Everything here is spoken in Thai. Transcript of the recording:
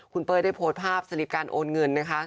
คุณเป้ยได้โพสต์ภาพสลิปการโอนเงินนะคะ